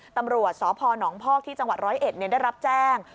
ตำรวจสพนพอกที่จังหวัดร้อยเอ็ดได้รับแจ้ง